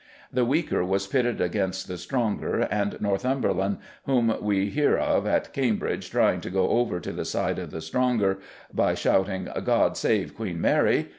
The weaker was pitted against the stronger, and Northumberland, whom we hear of at Cambridge trying to go over to the side of the stronger by shouting "God save Queen Mary!"